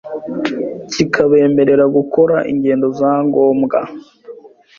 kikabemerera gukora ingendo za ngombwa